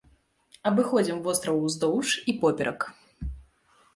Абыходзім востраў уздоўж і поперак.